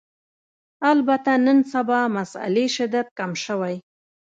البته نن سبا مسألې شدت کم شوی